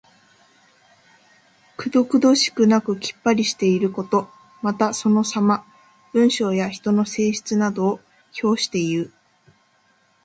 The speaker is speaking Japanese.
くどくどしくなくきっぱりしていること。また、そのさま。文章や人の性質などを評していう。